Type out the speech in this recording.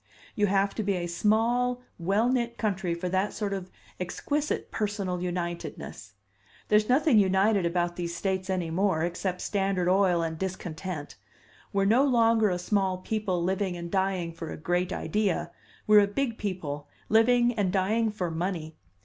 You have to be a small, well knit country for that sort of exquisite personal unitedness. There's nothing united about these States any more, except Standard Oil and discontent. We're no longer a small people living and dying for a great idea; we're a big people living and dying for money.